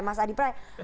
mas adi pry